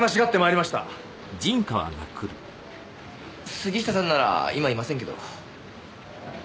杉下さんなら今いませんけど。